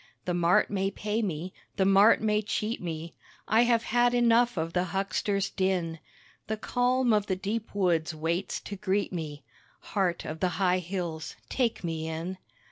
The mart may pay me the mart may cheat me, I have had enough of the huckster's din, The calm of the deep woods waits to greet me, (Heart of the high hills, take me in.)